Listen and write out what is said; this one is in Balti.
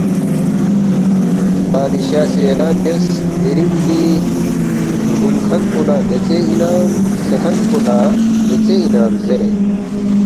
بادشاہ سی اعلان بیاس، ”دِرِنگ دِی ردُونگ کھن پو لہ دیژے انعام ہرژے کھن پو لہ دیژے انعام” زیرے